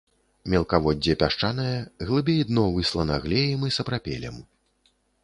Мелкаводдзе пясчанае, глыбей дно выслана глеем і сапрапелем.